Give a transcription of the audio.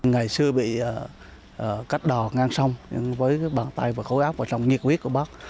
ngày xưa bị cách đò ngang sông với bàn tay và khối áp và sông nhiệt huyết của bác